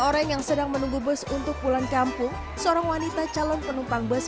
orang yang sedang menunggu bus untuk pulang kampung seorang wanita calon penumpang bus